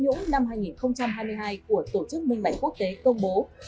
trong cuộc chiến chống tham nhũng năm hai nghìn hai mươi hai của tổ chức minh bảnh quốc tế công bố